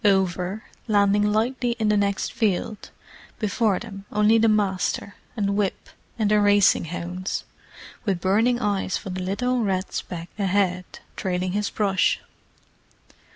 Over, landing lightly in the next field; before them only the "Master" and whip, and the racing hounds, with burning eyes for the little red speck ahead, trailing his brush.